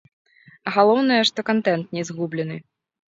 Галоўнае, што кантэнт не згублены.